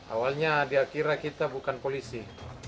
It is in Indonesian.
awalnya dia kira kita bukan polisi